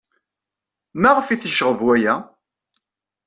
Maɣef ay t-yecɣeb waya?